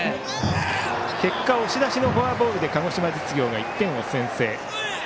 結果押し出しのフォアボールで鹿児島実業が１点を先制。